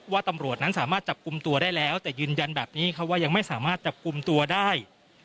ตำรวจนั้นสามารถจับกลุ่มตัวได้แล้วแต่ยืนยันแบบนี้ว่ายังไม่สามารถจับกลุ่มตัวได้